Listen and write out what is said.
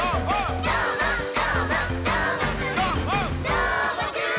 「どーもくん！」